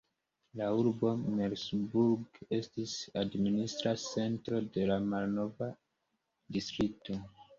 La urbo Merseburg estis la administra centro de la malnova distrikto.